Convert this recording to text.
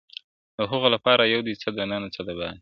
د هغو لپاره یو دي څه دننه څه د باندي٫